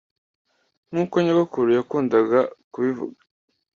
nkuko nyogokuru yakundaga kubivuga.